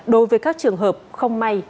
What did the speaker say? đối với các trường hợp không may